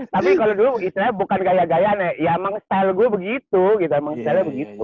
tapi kalau dulu istilahnya bukan gaya gaya ya emang style gue begitu gitu emang style begitu